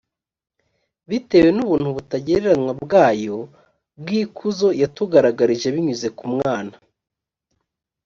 bitewe n ubuntu butagereranywa t bwayo bw ikuzo yatugaragarije binyuze ku mwana